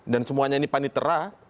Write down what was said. dan semuanya ini panitra